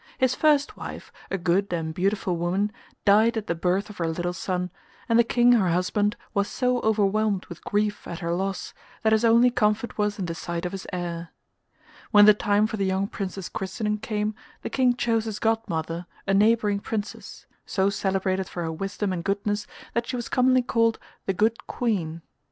His first wife, a good and beautiful woman, died at the birth of her little son, and the King her husband was so overwhelmed with grief at her loss that his only comfort was in the sight of his heir. When the time for the young Prince's christening came the King chose as godmother a neighbouring Princess, so celebrated for her wisdom and goodness that she was commonly called 'the Good Queen.